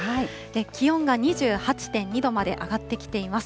気温が２８．２度まで上がってきています。